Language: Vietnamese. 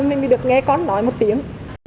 nên mình được nghe con nói một tiếng